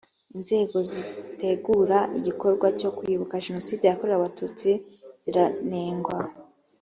inzego zitegura igikorwa cyo kwibuka jenoside yakorewe abatutsi zaranengwa.